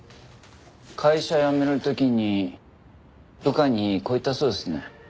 会社辞める時に部下にこう言ったそうですね。